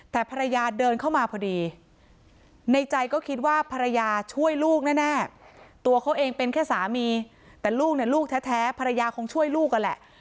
แต่ภรรยาเดินเข้ามาพอดีในใจก็คิดว่าภรรยาช่วยลูกแน่ตัวเขาเองเป็นแค่สามีแต่ลูกเนี่ยลูกแท้ภรรยาคงช่วยลูกนั่นแหละ